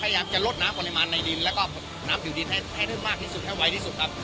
พยายามจะลดน้ำปริมาณในดินแล้วก็น้ำผิวดินให้ได้มากที่สุดให้ไวที่สุดครับ